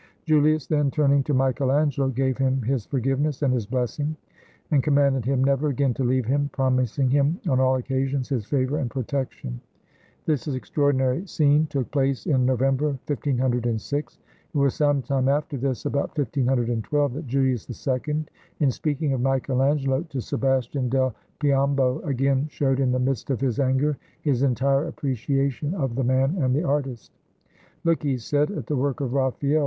Julius, then, turning to Michael Angelo, gave him his forgive ness and his blessing, and commanded him never again to leave him, promising him on all occasions his favor and protection. This extraordinary scene took place in November, 1506. It was some time after this (about 15 1 2) that JuHus II, in speaking of Michael Angelo to Sebastian del Piombo, again showed, in the midst of his anger, his entire appreciation of the man and the artist. "Look," he said, "at the work of Raphael!